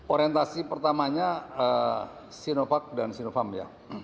orientasi pertamanya sinovac dan sinovac ya